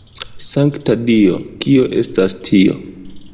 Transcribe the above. Sankta Dio, kio estas tio?